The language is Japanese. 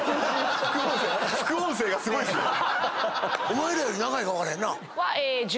お前らより長いかわからへんな。